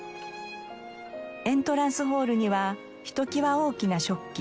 エントランスホールにはひときわ大きな織機。